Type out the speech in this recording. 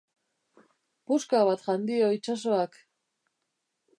Puska bat jan dio itsasoak.